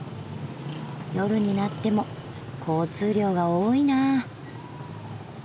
夜になっても交通量が多いな。